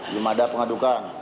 belum ada pengadukan